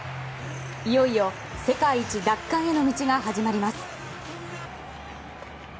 いよいよ世界一奪還への道が始まります。